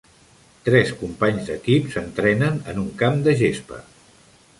Tres companys d'equip s'entrenen en un camp de gespa.